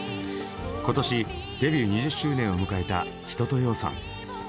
今年デビュー２０周年を迎えた一青窈さん。